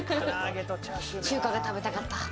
中華が食べたかった？